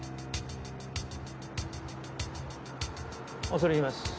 恐れ入ります。